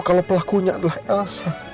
kalau pelakunya adalah elsa